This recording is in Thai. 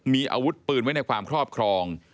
มีอาวุธปืนไว้ในความครอบครอง